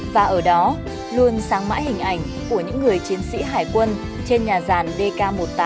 và ở đó luôn sáng mãi hình ảnh của những người chiến sĩ hải quân trên nhà giàn dk một mươi tám